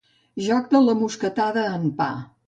Joc de la mosquetada en pa.